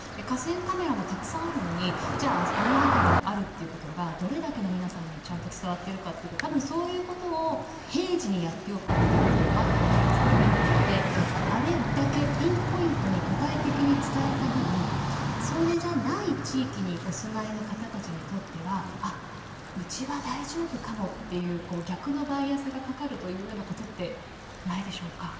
河川カメラもたくさんあるのにじゃああの辺りにあるっていうことがどれだけの皆さんにちゃんと伝わってるかっていうと多分そういうことを平時にやっておくっていうこともあると思うんですけど一方であれだけピンポイントに具体的に伝えた分それじゃない地域にお住まいの方たちにとっては「あっうちは大丈夫かも」っていう逆のバイアスがかかるというようなことってないでしょうか？